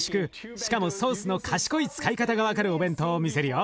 しかもソースの賢い使い方が分かるお弁当を見せるよ。